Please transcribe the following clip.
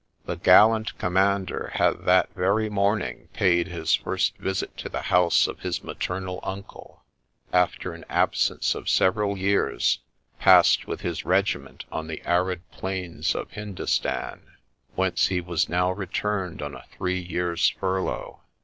The gallant com mander had that very morning paid his first visit to the house of his maternal uncle, after an absence of several years passed with his regiment on the arid plains of Hindostan, whence he was now returned on a three years' furlough.